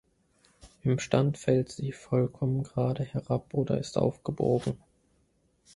Im Stand fällt sie vollkommen gerade herab oder ist aufgebogen.